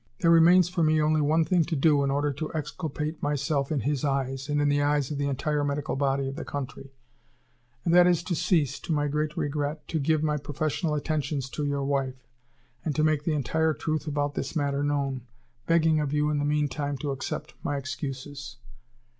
There remains for me only one thing to do, in order to exculpate myself in his eyes, and in the eyes of the entire medical body of the country, and that is to cease, to my great regret, to give my professional attentions to your wife, and to make the entire truth about this matter known, begging of you in the meantime to accept my excuses."